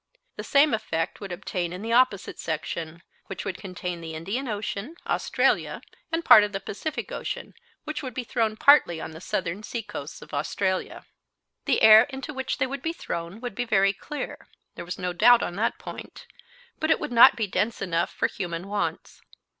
The same effect would obtain in the opposite section, which would contain the Indian Ocean, Australia, and a part of the Pacific Ocean, which would be thrown partly on the southern seacoasts of Australia. The air into which they would be thrown would be very clear; there was no doubt on that point, but it would not be dense enough for human wants.